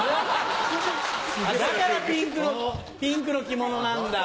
だからピンクの着物なんだ。